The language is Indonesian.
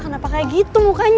kenapa kayak gitu mukanya